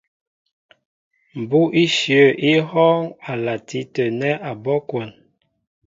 Mbú' íshyə̂ í hɔ́ɔ́ŋ a lati tə̂ nɛ́ abɔ́' kwón.